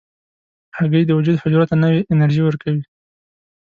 هګۍ د وجود حجرو ته نوې انرژي ورکوي.